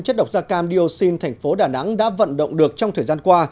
chất độc da cam dioxin thành phố đà nẵng đã vận động được trong thời gian qua